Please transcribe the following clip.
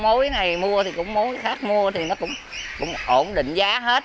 mối này mua thì cũng mối khác mua thì nó cũng ổn định giá hết